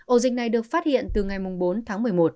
ổ dịch này được phát hiện từ ngày bốn tháng một mươi một